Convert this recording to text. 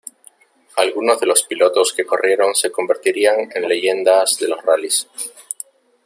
Algunos de los pilotos que corrieron se convertirían en leyendas de los rallyes.